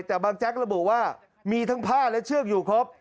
แต่บางแจ๊กระบุว่ามีทั้งผ้าและเชือกอยู่ครบ